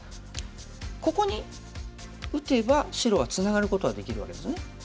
ここに打てば白はツナがることはできるわけですね。